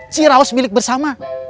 ciraus milik bersama